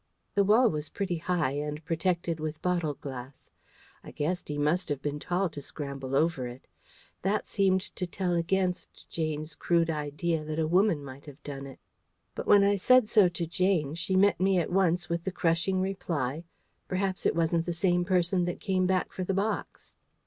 The wall was pretty high and protected with bottle glass. I guessed he must have been tall to scramble over it. That seemed to tell against Jane's crude idea that a woman might have done it. But when I said so to Jane, she met me at once with the crushing reply: "Perhaps it wasn't the same person that came back for the box."